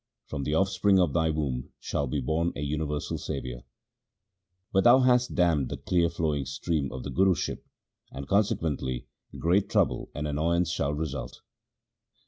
From the offspring of thy womb shall be born a universal saviour ; but thou hast dammed the clear flowing stream of the Guruship, and conse quently great trouble and annoyance shall result.'